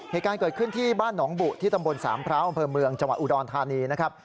เหตุการณ์เกิดขึ้นที่บ้านหนองบุที่ตำบลสามพร้าวอำเภอเมืองจังหวัดอุดรธานีนะครับ